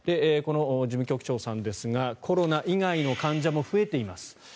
この事務局長さんですがコロナ以外の患者も増えています